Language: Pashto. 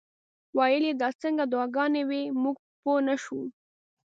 ویل یې دا څنګه دعاګانې وې موږ پوه نه شو.